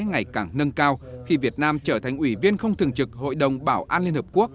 ngày càng nâng cao khi việt nam trở thành ủy viên không thường trực hội đồng bảo an liên hợp quốc